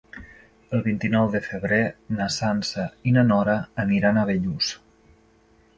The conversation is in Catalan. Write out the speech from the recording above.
El vint-i-nou de febrer na Sança i na Nora aniran a Bellús.